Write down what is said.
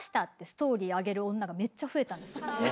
ストーリー上げる女がめっちゃ増えたんですよ。